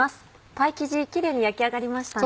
パイ生地キレイに焼き上がりましたね。